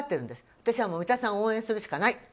私は三田さんを応援するしかない。